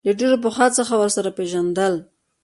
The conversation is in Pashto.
له ډېر پخوا څخه ورسره پېژندل.